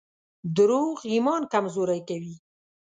دروغ ایمان کمزوری کوي.